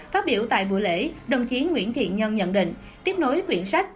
phát biểu tại buổi lễ đồng chí nguyễn thiện nhân nhận định tiếp nối quyển sách